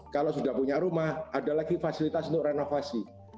kalau sudah punya rumah ada lagi fasilitas untuk renovasi